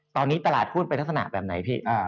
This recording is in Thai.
ตอนนี้ตลาดหุ้นเป็นลักษณะแบบไหนพี่